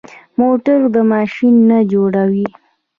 موټر د ماشین نه جوړ وي.